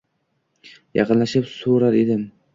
yaqinlashib so’rar mendan –